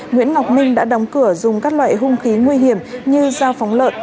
nguyễn ngọc minh đã đóng cửa dùng các loại hung khí nguy hiểm như dao phóng lợn